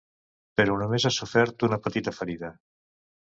Però només ha sofert una petita ferida.